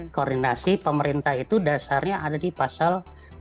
koordinasi pemerintah itu dasarnya ada di pasal dua puluh